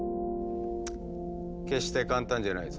決して簡単じゃないぞ。